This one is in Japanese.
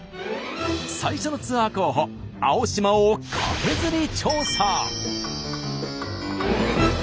最初のツアー候補青島をカケズリ調査！